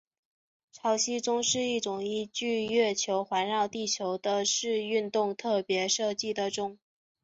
潮汐钟是一种依据月球环绕地球的视运动特别设计的钟。